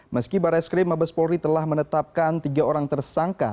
meski barreskrim mabes polri telah menetapkan tiga orang tersangka